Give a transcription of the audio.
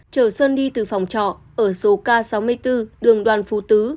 chở sơn đi từ phòng trọ ở số k sáu mươi bốn đường đoàn phú tứ